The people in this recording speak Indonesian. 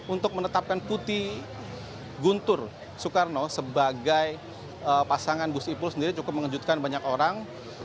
untuk menetapkan putih guntur soekarno sebagai pasangan gus ipul sendiri cukup mengejutkan banyak orang